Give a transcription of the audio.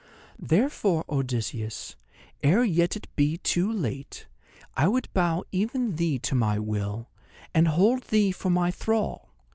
Therefore, Odysseus, ere yet it be too late, I would bow even thee to my will, and hold thee for my thrall.